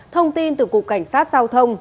thông tin từ cục cảnh sát giao thông